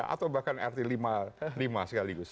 atau bahkan rt lima sekaligus